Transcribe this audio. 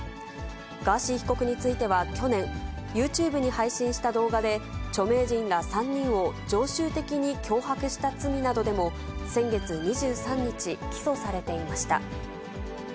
ガーシー被告については去年、ユーチューブに配信した動画で、著名人ら３人を常習的に脅迫した罪などでも先月２３日起訴されていました。